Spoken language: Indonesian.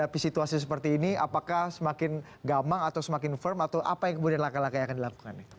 tapi situasi seperti ini apakah semakin gamang atau semakin firm atau apa yang kemudian laki laki akan dilakukan